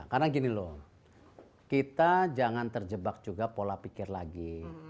karena gini loh kita jangan terjebak juga pola pikir lagi